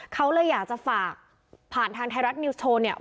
เขาเลยอยากจะฝากผ่านทางไทยรัฐนิวส์โชว์เนี่ย